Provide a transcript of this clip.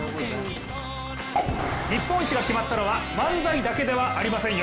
日本一が決まったのは漫才だけではありませんよ。